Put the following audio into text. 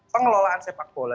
pengelolaan sepak bola